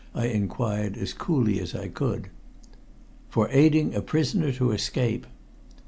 I inquired as coolly as I could. "For aiding a prisoner to escape."